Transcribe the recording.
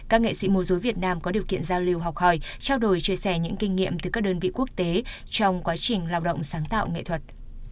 các nghệ sĩ mô dối việt nam có điều kiện giao lưu học hỏi trao đổi chia sẻ những kinh nghiệm từ các đơn vị quốc tế trong quá trình lao động sáng tạo nghệ thuật